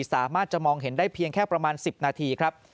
สามารถจะมองเห็นได้เพียงแค่ประมาณ๑๐นาทีครับ